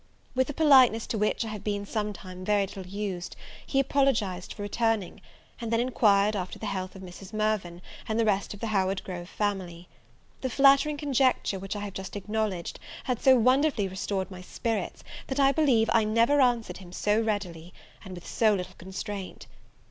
With a politeness to which I have been sometime very little used, he apologized for returning; and then inquired after the health of Mrs. Mirvan, and the rest of the Howard Grove family. The flattering conjecture which I have just acknowledged, had so wonderfully restored my spirits, that I believe I never answered him so readily, and with so little constraint.